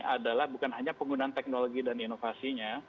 adalah bukan hanya penggunaan teknologi dan inovasinya